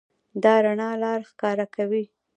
دا رڼا لاره ښکاره کوي.